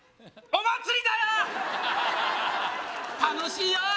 お祭りだよ